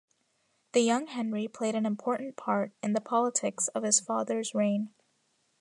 The young Henry played an important part in the politics of his father's reign.